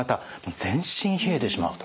全身冷えてしまうと。